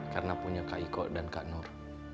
karena punya kak iko dan kak nur